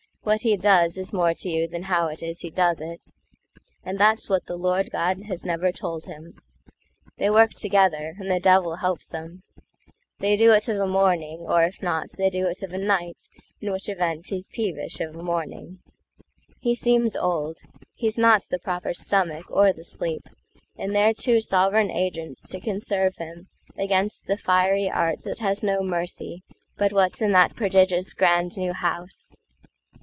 What he doesIs more to you than how it is he does it,—And that's what the Lord God has never told him. They work together, and the Devil helps 'em; They do it of a morning, or if not, They do it of a night; in which eventHe's peevish of a morning. He seems old; He's not the proper stomach or the sleep—And they're two sovran agents to conserve himAgainst the fiery art that has no mercyBut what's in that prodigious grand new House.